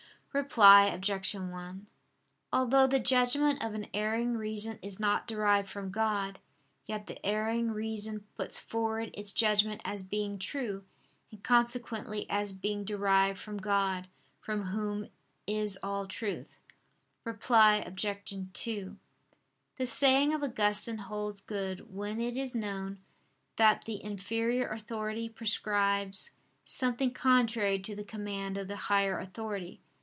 Reply Obj. 1: Although the judgment of an erring reason is not derived from God, yet the erring reason puts forward its judgment as being true, and consequently as being derived from God, from Whom is all truth. Reply Obj. 2: The saying of Augustine holds good when it is known that the inferior authority prescribes something contrary to the command of the higher authority.